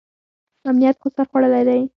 امنیت خو سر خوړلی دی.